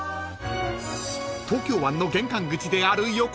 ［東京湾の玄関口である横須賀］